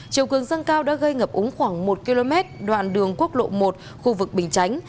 chiều cường dâng cao đã gây ngập úng khoảng một km đoạn đường quốc lộ một khu vực bình chánh